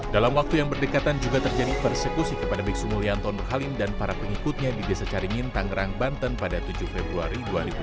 dalam waktu yang berdekatan juga terjadi persekusi kepada biksu mulyanto nur khalim dan para pengikutnya di desa caringin tangerang banten pada tujuh februari dua ribu dua puluh